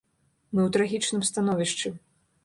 Мы ў трагічным становішчы.